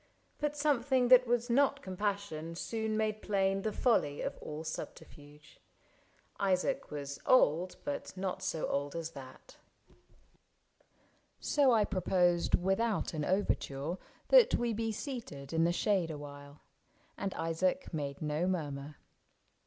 But something that was not compassion soon Made plain the folly of all subterfuge. Isaac was old, but not so old as that. So I proposed, without an overture, That we be seated in the shade a while, ISAAC AND ARCHIBALD 87 And Isaac made no murmur.